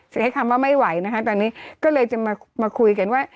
ใช้คำว่าไม่ไหวนะคะตอนนี้ก็เลยจะมาคุยกันว่า